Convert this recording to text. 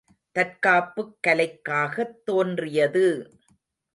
தற்காப்புக் கலைக்காகத் தோன்றியது!